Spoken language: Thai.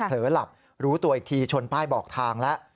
หลับรู้ตัวอีกทีชนป้ายบอกทางแล้ว